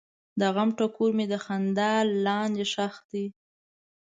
د غم ټکور مې د خندا لاندې ښخ دی.